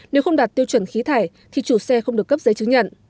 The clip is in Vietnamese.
nếu không đạt tiêu chuẩn khí thải thì chủ xe không được cấp giấy chứng nhận